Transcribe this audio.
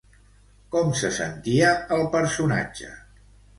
Com se sentia el personatge?